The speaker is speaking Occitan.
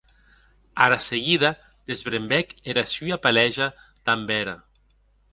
Ara seguida desbrembèc era sua peleja damb era.